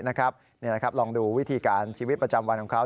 นี่แหละครับลองดูวิธีการชีวิตประจำวันของเขา